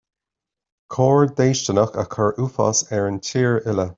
Coir déistineach a chur uafás ar an tír uile